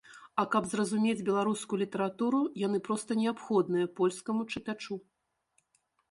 А каб зразумець беларускую літаратуру, яны проста неабходныя польскаму чытачу.